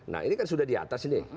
nah ini kan sudah di atas ini